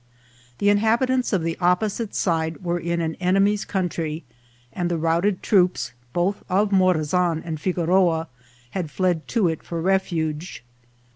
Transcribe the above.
The inhabi tants of the opposite side were in an enemy's country, and the routed troops, both of Morazan and Figoroa, had fled to it for refuge.